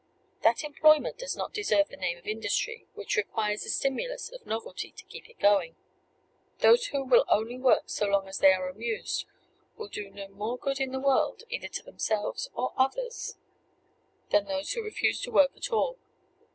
That employment does not deserve the name of industry which requires the stimulus of novelty to keep it going. Those who will only work so long as they are amused will do no more good in the world, either to themselves or others, than those who refuse to work at all.